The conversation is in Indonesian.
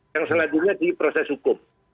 yang selanjutnya di proses hukum